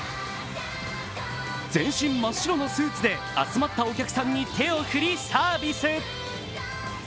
全身真っ白のスーツで集まったお客さんに手を振りサービス。